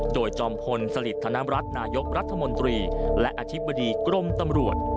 โดยจอมพลสลิดธนรัฐนายกรัฐมนตรีและอธิบดีกรมตำรวจ